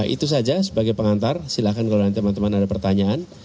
itu saja sebagai pengantar silahkan kalau nanti teman teman ada pertanyaan